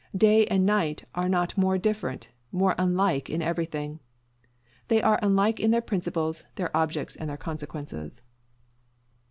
Day and night are not more different more unlike in everything. They are unlike in their principles, their objects, and their consequences.